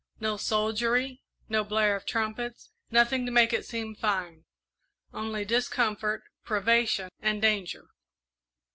No soldiery, no blare of trumpets, nothing to make it seem fine only discomfort, privation, and danger.